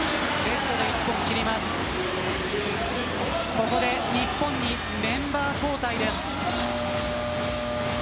ここで日本にメンバー交代です。